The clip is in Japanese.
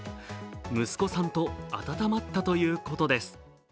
息子さんと温まったということです。